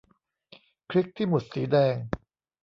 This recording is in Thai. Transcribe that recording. คลิกที่ หมุดสีแดง